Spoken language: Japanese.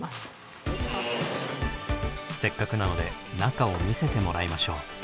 せっかくなので中を見せてもらいましょう。